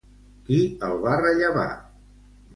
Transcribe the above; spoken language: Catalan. Qui el va rellevar?